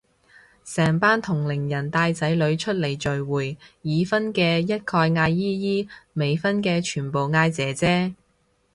成班同齡人帶仔女出嚟聚會，已婚嘅一概嗌姨姨，未婚嘅全部嗌姐姐